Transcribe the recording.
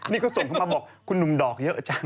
นี่เขาส่งเข้ามาบอกคุณหนุ่มดอกเยอะจัง